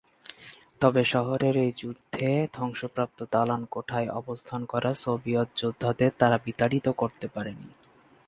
তবে শহরের এই যুদ্ধে ধ্বংসপ্রাপ্ত দালান কোঠায় অবস্থান করা সোভিয়েত যোদ্ধাদের তারা বিতাড়িত করতে পারেনি।